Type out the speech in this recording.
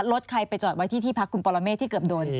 รถใครไปจอดไว้ที่ที่พักคุณปรเมฆที่เกือบโดน